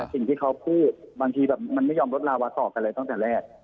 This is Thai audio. สิ่งที่เขาพูดบางทีแบบมันไม่ยอมลดลาวาต่อกันเลยตั้งแต่แรก